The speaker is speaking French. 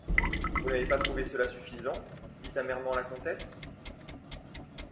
—Vous n’avez pas trouvé cela suffisant ?» dit amèrement la comtesse.